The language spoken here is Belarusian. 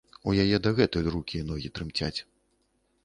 У яе дагэтуль рукі і ногі трымцяць.